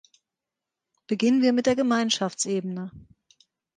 Beginnen wir mit der Gemeinschaftsebene.